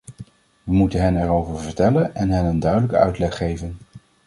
We moeten hen erover vertellen en hen een duidelijke uitleg geven.